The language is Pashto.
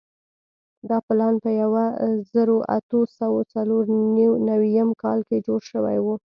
دا پلان په یوه زرو اتو سوو څلور نوېم کال کې جوړ شوی وو.